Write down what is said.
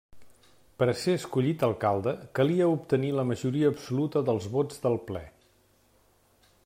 Per a ser escollit alcalde, calia obtenir la majoria absoluta dels vots del ple.